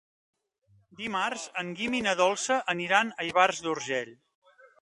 Dimarts en Guim i na Dolça aniran a Ivars d'Urgell.